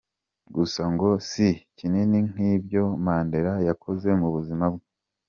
Gusa ngo si kinini nk’ibyo Mandela yakoze mu buzima bwe.